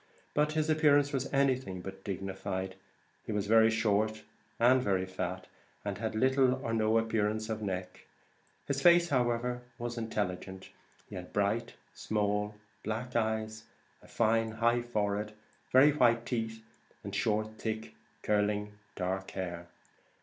But his appearance was anything but dignified; he was very short, and very fat, and had little or no appearance of neck; his face, however was intelligent; he had bright, small black eyes, a fine, high forehead, very white teeth, and short thick, curling, dark hair.